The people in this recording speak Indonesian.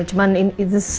tapi ini seperti perasaan